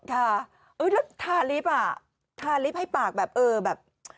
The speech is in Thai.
แล้วทาริปอ่ะทาริปให้ปากแบบเออแบบ